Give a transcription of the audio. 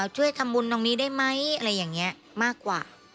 ช่วยทำบุญตรงนี้ได้ไหมอะไรอย่างนี้มากกว่า